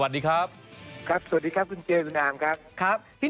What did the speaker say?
โปรดติดตามต่อไป